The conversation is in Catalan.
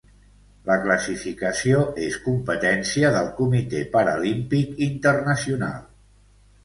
La classificació és competència del Comitè Paralímpic Internacional.